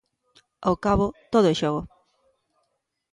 Ao cabo, todo é xogo.